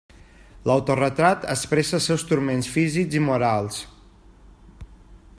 L'autoretrat expressa els seus turments físics i morals.